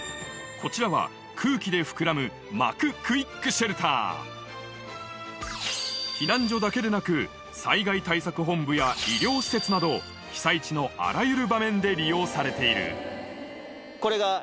こちらは空気で膨らむ避難所だけでなく災害対策本部や医療施設など被災地のあらゆる場面で利用されているこれが。